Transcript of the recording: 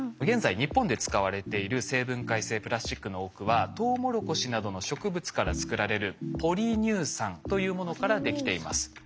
現在日本で使われている生分解性プラスチックの多くはトウモロコシなどの植物から作られるポリ乳酸というものからできています。